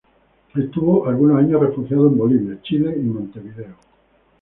Estuvo algunos años refugiado en Bolivia, Chile y Montevideo.